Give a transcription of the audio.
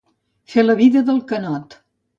Fer la vida del canot.